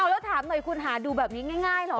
เอาแล้วถามหน่อยคุณฮะดูแบบนี้ง่ายนะ